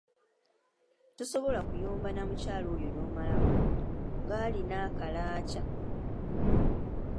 Tosobola kuyomba na mukyala oyo n’omalako ng’alina akalaaca!